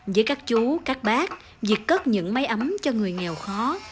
giữa các chú các bác việc cất những máy ấm cho người nghèo khó